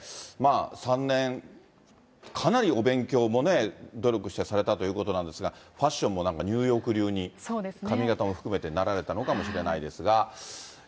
３年、かなりお勉強もね、努力されたということなんですが、ファッションもニューヨーク流に、髪形も含めて、なられたのかもしれないですが。